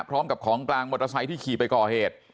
พร้อมกับของกลางมอเตอร์ไซค์ที่ขี่ไปก่อเหตุ